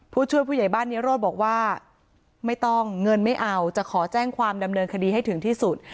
ผู้ช่วยผู้ใหญ่บ้านนิโรธบอกว่าไม่ต้องเงินไม่เอาจะขอแจ้งความดำเนินคดีให้ถึงที่สุด